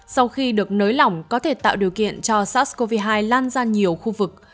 sau khi được nới lỏng có thể tạo điều kiện cho sars cov hai lan ra nhiều khu vực